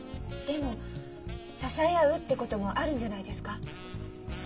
でも支え合うってこともあるんじゃないですか？